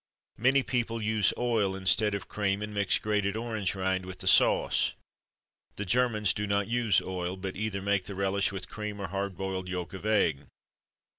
Many people use oil instead of cream, and mix grated orange rind with the sauce. The Germans do not use oil, but either make the relish with cream, or hard boiled yolk of egg.